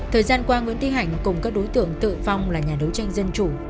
thời gian qua nguyễn ti hạnh cùng các đối tượng tự phong là nhà đấu tranh dân chủ